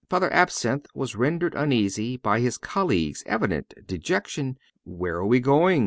Father Absinthe was rendered uneasy by his colleague's evident dejection. "Where are we going?"